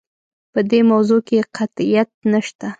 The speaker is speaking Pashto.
په دې موضوع کې قطعیت نشته.